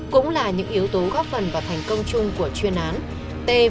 cũng là những yếu tố góp phần và thành công chung của chuyên án t một nghìn hai mươi